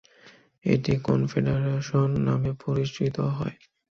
এটি কনফেডারেশন নামে পরিচিত হয়।